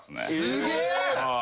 すげえ！